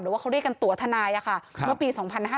ว่าเขาเรียกกันตัวทนายเมื่อปี๒๕๕๙